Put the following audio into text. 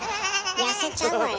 痩せちゃうわよ？